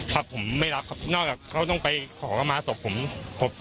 ครับผมไม่รักครับเขาต้องไปของกระมะสวบน้องผมที่วัด